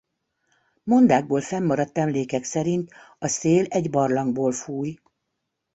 Mondákból fennmaradt emlékek szerint a szél egy barlangból fúj.